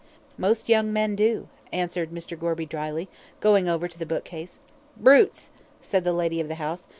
"Most young men do," answered Mr. Gorby dryly, going over to the bookcase. "Brutes," said the lady of the house.